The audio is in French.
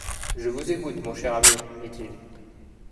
Je vous écoute, mon cher ami, dit-il.